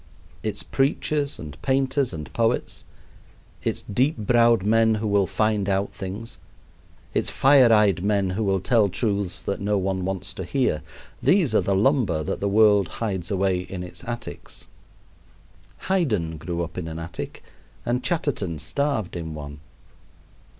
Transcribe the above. Its preachers and painters and poets, its deep browed men who will find out things, its fire eyed men who will tell truths that no one wants to hear these are the lumber that the world hides away in its attics. Haydn grew up in an attic and Chatterton starved in one.